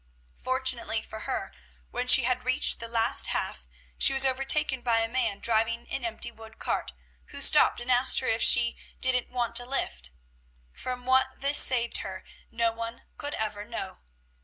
Fortunately for her, when she had reached the last half she was overtaken by a man driving an empty wood cart, who stopped and asked her if she "didn't want a lift?" From what this saved her, no one could ever know.